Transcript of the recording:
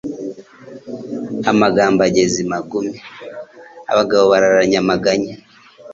Amagambo ageze i magume Abagabo bararanye amaganya,